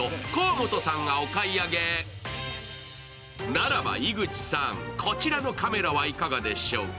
ならば井口さん、こちらのカメラはいかがでしょうか。